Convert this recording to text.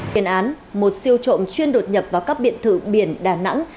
tiến án một siêu trộm chuyên đột nhập vào các biện thự biển đà nẵng